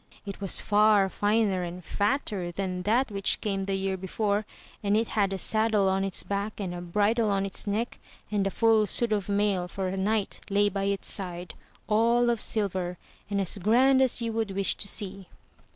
It was far finer and fatter than that which camethe year before, and it had a saddle on its back and a bridle on its neck, and a full suit of mail for a knight lay by its side, all of silver, and as grand as you would wish to see.